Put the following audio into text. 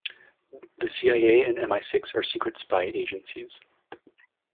The CIA and MI-Six are secret spy agencies.